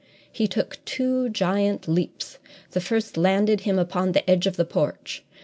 He took two giant leaps. The first landed him upon the edge of the porch.